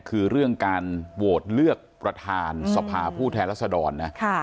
คือเรื่องการโหวตเลือกประธานสภาผู้แทนรัศดรนะ